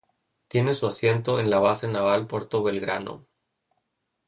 Tiene su asiento en la Base Naval Puerto Belgrano.